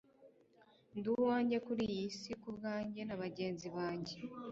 ndi uwanjye kuri iyi si kubwanjye nabagenzi bange